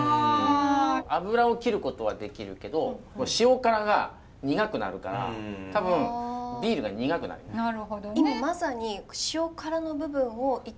脂を切ることはできるけど塩辛が苦くなるから多分ビールが苦くなります。